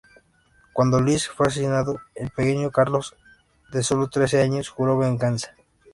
Cuando Luis fue asesinado, el pequeño Carlos, de solo trece años, juró venganza.